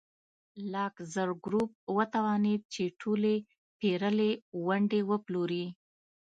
لاکزر ګروپ وتوانېد چې ټولې پېرلې ونډې وپلوري.